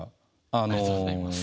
ありがとうございます。